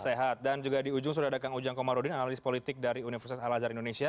sehat dan juga di ujung sudah ada kang ujang komarudin analis politik dari universitas al azhar indonesia